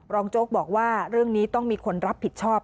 โจ๊กบอกว่าเรื่องนี้ต้องมีคนรับผิดชอบ